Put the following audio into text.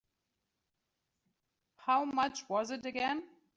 How much was it again?